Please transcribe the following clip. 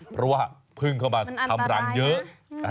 เพราะว่าเพิ่งเข้ามาทำรังเยอะ